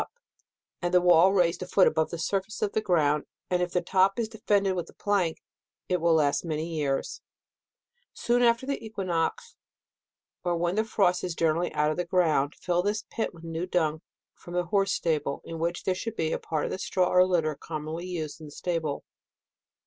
up, and the wall raised a foot above the surface of the ground, and if the top is defended with a plank, it will last many years. 204 ©ECExMBER. Soon after the equinox, or when the frost is generally out of the ground, fill this pit with new dung from the horse stable, in which there should be part of the straw or litter commonly used in the stable.